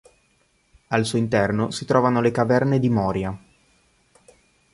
Al suo interno si trovano le caverne di Moria.